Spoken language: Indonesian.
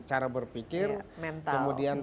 cara berpikir kemudian